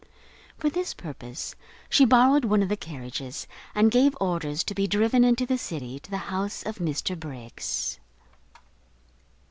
For this purpose she borrowed one of the carriages, and gave orders to be driven into the city to the house of Mr Briggs.